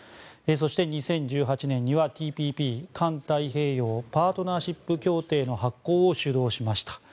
そして２０１８年にはＴＰＰ・環太平洋パートナーシップ協定の発効を主導しました。